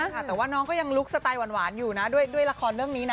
ค่ะแต่ว่าน้องก็ยังลุคสไตล์หวานอยู่นะด้วยละครเรื่องนี้นะ